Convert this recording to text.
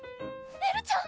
エルちゃん！